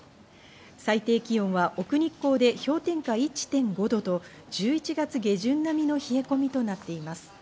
最低気温は奥日光で氷点下１．５度と１１月下旬並みの冷え込みとなっています。